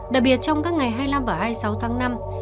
đặc biệt trong các ngày hai mươi năm và hai mươi sáu tháng năm